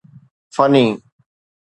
فني